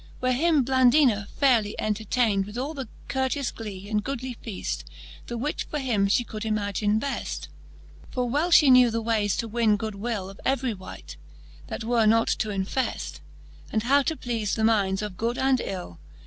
Where him Blandina fayrely entertayned, With all the courteous glee and goodly fcaft, The which for him ftie could imagine beft. For well ftie knew the wayes to win good wiU Of every wight, that were not too infeft. And how to pleafe the minds of good and ill.